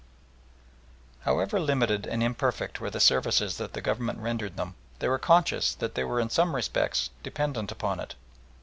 However limited and imperfect were the services that the Government rendered them, they were conscious that they were in some respects dependent upon it.